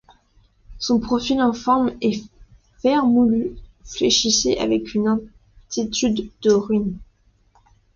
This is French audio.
Son profil informe et vermoulu fléchissait avec une attitude de ruine.